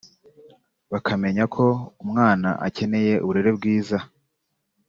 bakamenya ko umwana akeneye uburere bwiza